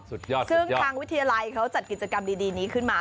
ซึ่งทางวิทยาลัยเขาจัดกิจกรรมดีนี้ขึ้นมา